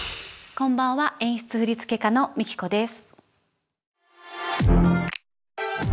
こんばんは演出振付家のＭＩＫＩＫＯです。